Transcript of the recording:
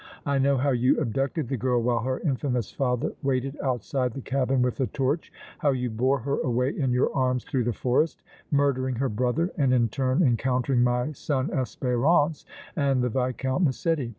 I know how you abducted the girl while her infamous father waited outside the cabin with a torch, how you bore her away in your arms through the forest, murdering her brother and in turn encountering my son Espérance and the Viscount Massetti.